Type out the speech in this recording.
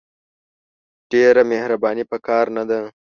ډېره مهرباني په کار نه ده !